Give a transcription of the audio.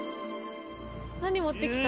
何持ってきた？